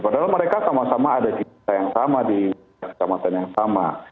padahal mereka sama sama ada di kota yang sama di kota kota yang sama